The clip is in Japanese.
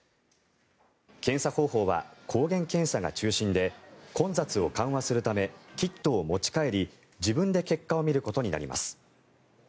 検査方法は抗原検査が中心で混雑を緩和するためキットを持ち帰り自分で結果を見ることになります。